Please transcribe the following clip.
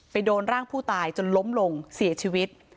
โดนร่างผู้ตายจนล้มลงเสียชีวิต